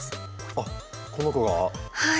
あっこの子が？はい。